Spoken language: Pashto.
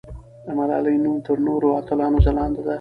د ملالۍ نوم تر نورو اتلانو ځلانده دی.